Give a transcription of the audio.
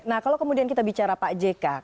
nah kalau kemudian kita bicara pak jk